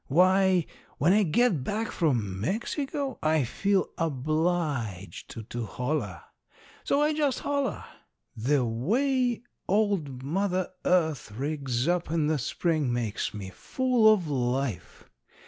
Why, when I get back from Mexico, I feel obliged to holler. So I just holler. The way old Mother Earth rigs up in the Spring makes me full of life.